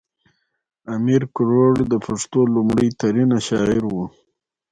امیر کروړ د پښتو لومړی نرینه شاعر و .